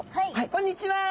こんにちは！